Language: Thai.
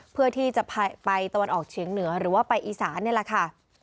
เพื่อที่จะไปตะวันออกเฉียงเหนือหรือว่าไปอีสานนี่แหละค่ะ